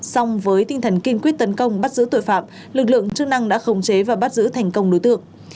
xong với tinh thần kiên quyết tấn công bắt giữ tội phạm lực lượng chức năng đã khống chế và bắt giữ thành công đối tượng